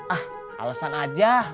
ah alesan aja